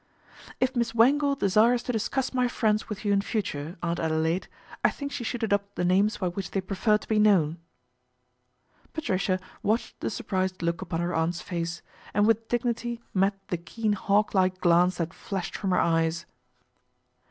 " If Miss Wangle desires to discuss my friends with you in future, Aunt Adelaide, I think she should adopt the names by which they prefer to be known." Patricia watched the surprised look upon her aunt's face, and with dignity met the keen hawk like glance that flashed from her eyes.